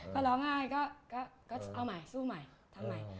ก็ร้องง่ายก็เอาใหม่สู้ใหม่